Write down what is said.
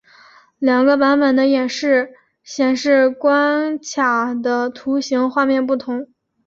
两个版本的演示显示关卡和图形画面不同。